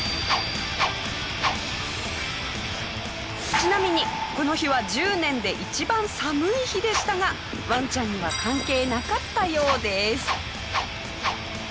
ちなみにこの日は１０年で一番寒い日でしたがワンちゃんには関係なかったようです。